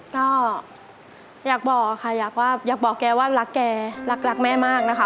ก็อยากบอกค่ะอยากบอกแกว่ารักแกรักรักแม่มากนะคะ